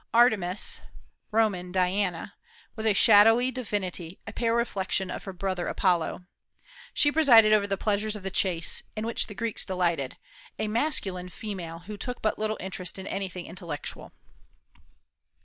Artemis (Roman Diana) was "a shadowy divinity, a pale reflection of her brother Apollo." She presided over the pleasures of the chase, in which the Greeks delighted, a masculine female who took but little interest in anything intellectual.